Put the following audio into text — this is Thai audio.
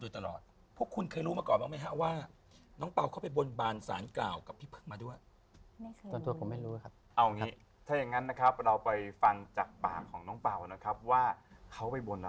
ตอนนั้นก็มีบนบรรรดาสารกล่าวค่ะ